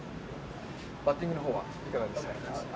バッティングのほうはいかがでしたか？